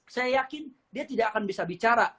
saya yakin dia tidak akan bisa bicara